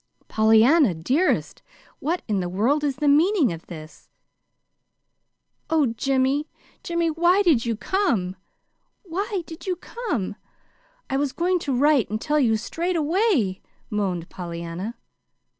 "Pollyanna, dearest, what in the world is the meaning of this?" "Oh, Jimmy, Jimmy, why did you come, why did you come? I was going to write and tell you straight away," moaned Pollyanna.